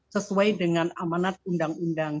sesuai dengan amanat undang undang